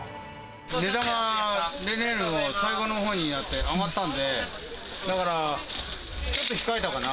値段は、例年よりも最後のほうになって、上がったんで、だから、ちょっと控えたかな。